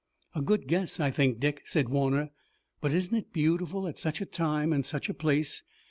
"A good guess, I think, Dick," said Warner, "but isn't it beautiful at such a time and such a place?